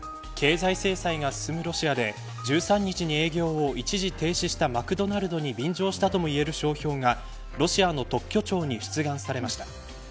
経済制裁が進むロシアで１３日に営業を一時停止したマクドナルドに便乗したともいえる商標がロシアの特許庁に出願されました。